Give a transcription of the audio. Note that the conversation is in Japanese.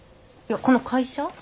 いやこの会社？